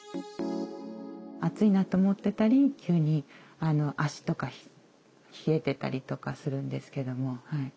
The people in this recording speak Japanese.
暑いなと思ってたり急に足とか冷えてたりとかするんですけども。